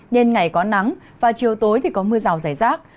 nên ngày có nắng và chiều tối thì có mưa rào rải rác